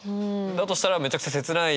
だとしたらめちゃくちゃ切ない。